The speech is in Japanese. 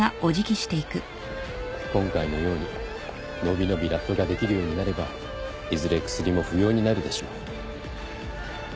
今回のように伸び伸びラップができるようになればいずれ薬も不要になるでしょう。